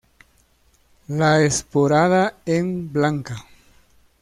La esporada en blanca.